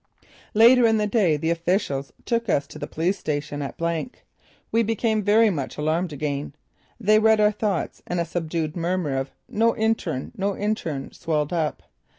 Later in the day the officials took us to the police station at . We became very much alarmed again. They read our thoughts and a subdued murmur of: "No intern, no intern," swelled up.